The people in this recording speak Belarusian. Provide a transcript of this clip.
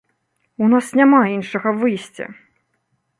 У нас няма іншага выйсця!